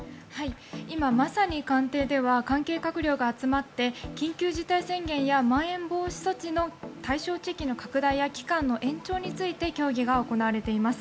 今まさに、官邸では関係閣僚が集まって緊急事態宣言やまん延防止措置の対象地域の拡大や期間の延長について協議が行われています。